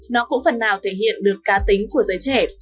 nó cũng phần nào thể hiện được cá tính của giới trẻ